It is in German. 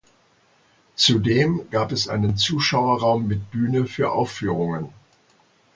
Zudem gab es einen Zuschauerraum mit Bühne für Aufführungen.